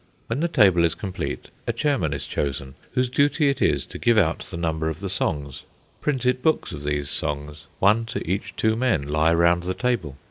When the table is complete, a chairman is chosen, whose duty it is to give out the number of the songs. Printed books of these songs, one to each two men, lie round the table.